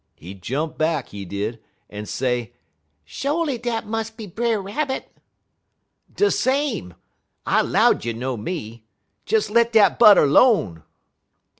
He jump back, he did, en say: "'Sho'ly dat mus' be Brer Rabbit!' "'De same. I 'low'd you'd know me. Des let dat butter 'lone.'